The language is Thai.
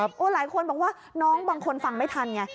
หลายคนบอกว่าน้องบางคนฟังไม่ทันไง